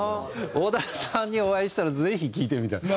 小田さんにお会いしたらぜひ聞いてみたい。